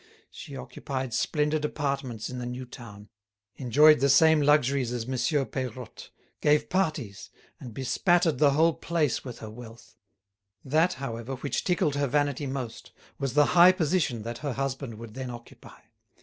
She occupied splendid apartments in the new town, enjoyed the same luxuries as Monsieur Peirotte, gave parties, and bespattered the whole place with her wealth. That, however, which tickled her vanity most was the high position that her husband would then occupy.